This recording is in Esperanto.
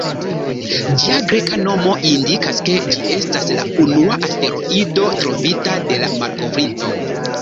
Ĝia greka nomo indikas, ke ĝi estas la unua asteroido trovita de la malkovrinto.